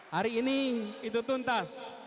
hari ini itu tuntas